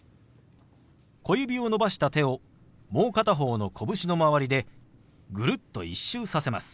小指を伸ばした手をもう片方の拳の周りでぐるっと１周させます。